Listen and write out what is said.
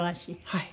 はい。